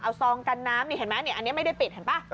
เอาซองกันน้ำนี่เห็นไหมอันนี้ไม่ได้ปิดเห็นป่ะ